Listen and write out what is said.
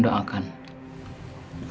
saya dan rina